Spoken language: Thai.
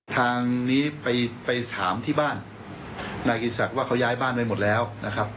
ทางนี้ไปถามที่บ้านนายกิติศักดิ์ว่าเขาย้ายบ้านไว้หมดแล้วนะครับ